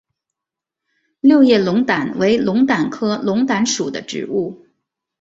六叶龙胆为龙胆科龙胆属的植物。